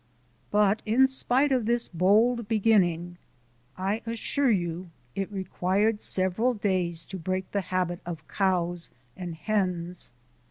But in spite of this bold beginning, I assure you it required several days to break the habit of cows and hens.